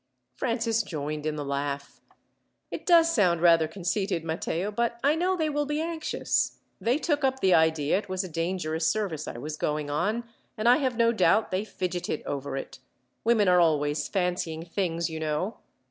Francis joined in the laugh. "It does sound rather conceited, Matteo; but I know they will be anxious. They took up the idea it was a dangerous service I was going on, and I have no doubt they fidgeted over it. Women are always fancying things, you know."